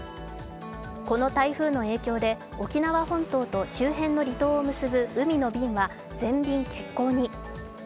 この台風の影響で沖縄本島と周辺の離島を結ぶ海の便は全便欠航に。